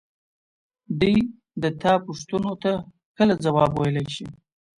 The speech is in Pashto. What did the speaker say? دى د تا پوښتنو ته کله ځواب ويلاى شي.